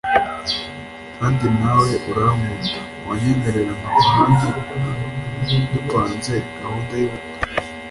kandi nawe urankunda wanyemerera nkava hano dupanze gahunda yubukwe